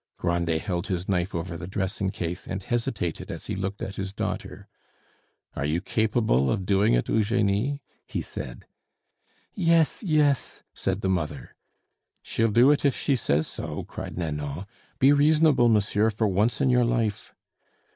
Grandet held his knife over the dressing case and hesitated as he looked at his daughter. "Are you capable of doing it, Eugenie?" he said. "Yes, yes!" said the mother. "She'll do it if she says so!" cried Nanon. "Be reasonable, monsieur, for once in your life."